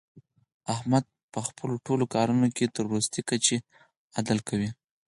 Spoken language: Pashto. احمد په خپلو ټول کارونو کې تر ورستۍ کچې عدل کوي.